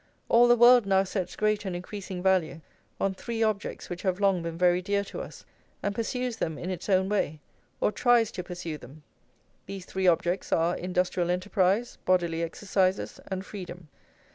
All the world now sets great and increasing value on three objects which have long been very dear to us, and pursues them in its own way, or tries to pursue them. These three objects are industrial enterprise, bodily exercises, and freedom.